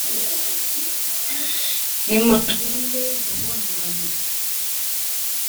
Nimushinge rubonane !"